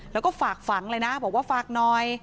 แล้วก็ฝากฝังเลยนะบอกว่าฝากหน่อย